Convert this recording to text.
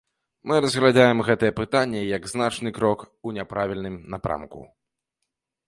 Мы разглядаем гэтае пытанне як значны крок у няправільным напрамку.